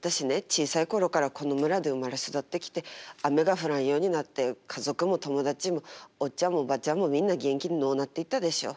小さい頃からこの村で生まれ育ってきて雨が降らんようになって家族も友達もおっちゃんもおばちゃんもみんな元気のうなっていったでしょ。